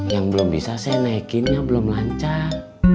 yang belum bisa saya naikinnya belum lancar